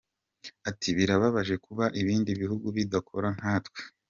Ati “Birababaje kuba ibindi bihugu bidakora nkatwe.